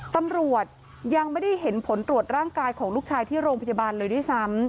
ตำรวจยังไม่ได้เห็นผลตรวจร่างกายของลูกชายที่โรงพยาบาลเลยด้วยซ้ำ